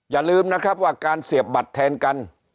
อย่าลืมนะครับว่าการเสียบบัตรแทนกัน